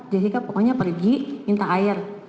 jessica pokoknya pergi minta air